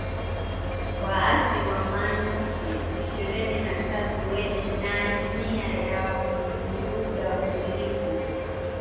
waasi wa Machi ishirini na tatu wenye nia ya kuvuruga utulivu